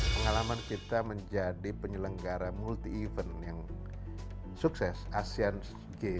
pengalaman kita menjadi penyelenggara multi event yang sukses asian games dan asian parade